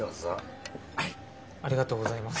ありがとうございます。